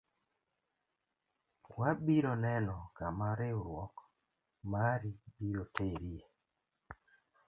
Wabiro neno kama rikruok mari biro terie.